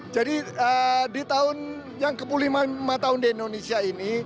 jadi di tahun yang ke lima puluh lima tahun di indonesia ini